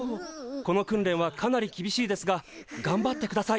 この訓練はかなり厳しいですががんばってください。